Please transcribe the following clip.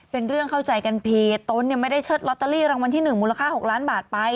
เข้าใจกันผิดตนไม่ได้เชิดลอตเตอรี่รางวัลที่๑มูลค่า๖ล้านบาทไป